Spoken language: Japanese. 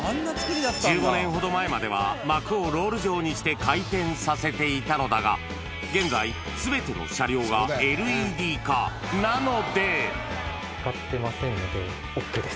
１５年ほど前までは幕をロール状にして回転させていたのだが、現在、使ってませんので、ＯＫです。